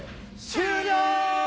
終了！